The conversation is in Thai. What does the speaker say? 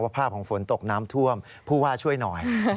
ภาพของฝนตกน้ำท่วมผู้ว่าช่วยหน่อย